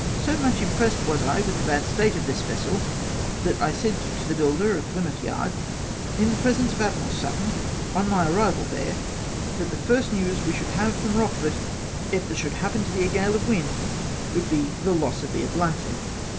So much im pressed was I with the bad state of this vessel, that I said to the builder of Pljrmouth yard, in the presence of Admiral Sutton, on my arrival there, that the first news we should have from Rochefort, if there should happen to be a gale of wind, would be the loss of the Atalante.